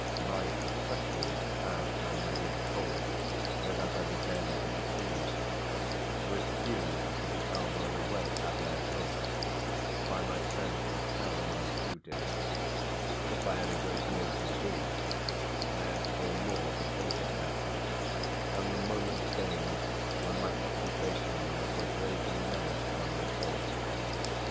My obsession, as I may really call it and as I began to perceive, refused to be elbowed away, as I had hoped, by my sense of paramount duties. If I had a great deal to do I had still more to think about, and the moment came when my occupations were gravely menaced by my thoughts.